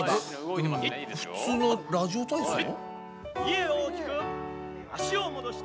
うん普通のラジオ体操？